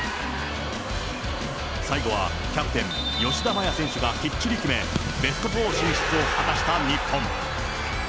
最後はキャプテン、吉田麻也選手がきっちり決め、ベスト４進出を果たした日本。